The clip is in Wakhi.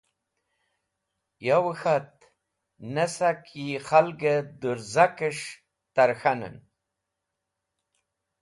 Yowe k̃hat, ney sak yi khalg-e dũrzakesh ta’r k̃hanen.